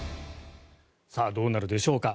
さあどうなるでしょうか。